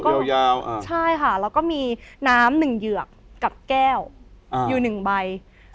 โต๊ะยาวอ่ะใช่ค่ะแล้วก็มีน้ำหนึ่งเหยือกกับแก้วอยู่หนึ่งใบ